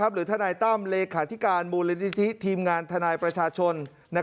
หรือท่านายต้ำเลขาธิการบูรณิธิทีมงานท่านายประชาชน